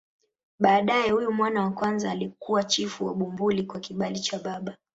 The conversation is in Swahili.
Baadaye huyu mwana wa kwanza alikuwa chifu wa Bumbuli kwa kibali cha baba.